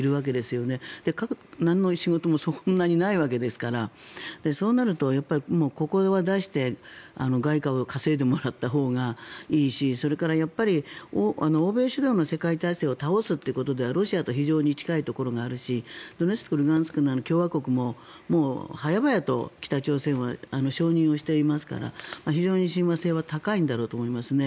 かといって、なんの仕事もそこまでないわけですからそうなるとやっぱり、ここは出して外貨を稼いでもらったほうがいいしそれから、欧米主導の世界体制を倒すということではロシアと非常に近いところがあるしドネツク、ルガンスクの共和国も早々と北朝鮮は承認していますから非常に親和性は高いんだろうと思います。